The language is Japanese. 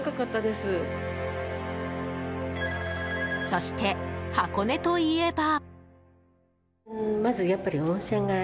そして、箱根といえば。